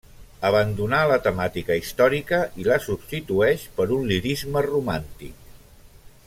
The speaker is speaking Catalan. Abandonà la temàtica històrica i la substitueix per un lirisme romàntic.